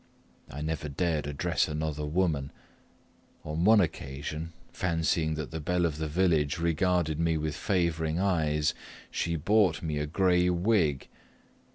I never dared address another woman: on one occasion, fancying that the belle of the village regarded me with favouring eyes, she bought me a gray wig.